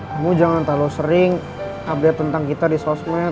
kamu jangan terlalu sering update tentang kita di sosmed